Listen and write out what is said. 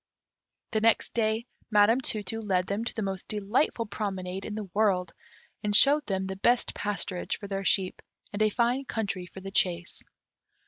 The next day Madame Tu tu led them to the most delightful promenade in the world, and showed them the best pasturage for their sheep, and a fine country for the chase.